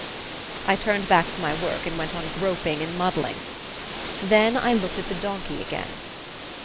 "I turned back to my work, and went on groping and muddling; then I looked at the donkey again.